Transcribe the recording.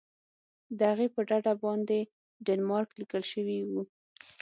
د هغې په ډډه باندې ډنمارک لیکل شوي وو.